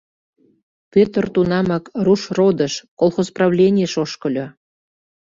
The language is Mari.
Пӧтыр тунамак Рушродыш, колхоз правленийыш, ошкыльо.